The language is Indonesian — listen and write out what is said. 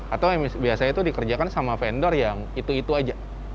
atau yang biasanya itu dikerjakan sama vendor yang itu itu aja